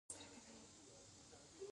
افغانستان د لمریز ځواک له مخې پېژندل کېږي.